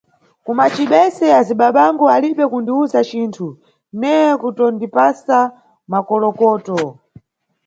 Ku macibese azibabangu alibe kundiwuza cinthu, neye kutondipasa makolokoto.